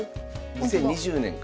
２０２０年か。